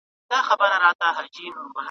پر اټک مي رپېدلی بیرغ غواړم !.